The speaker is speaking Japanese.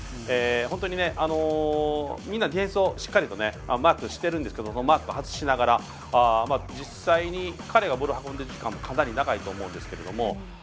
本当に、みんなディフェンスをしっかりとマークしてるんですがそのマークを外しながら実際に彼がボールを運んでいる時間もかなり長いと思うんですけども。